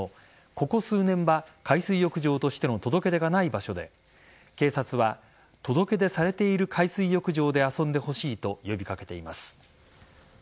ここ数年は海水浴場としての届け出がない場所で警察は届け出されている海水浴場で遊んでほしいと呼び掛けています。